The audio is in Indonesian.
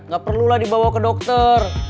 gak perlulah dibawa ke dokter